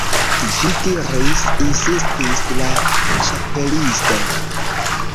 "Vi diris" insistis la Ĉapelisto.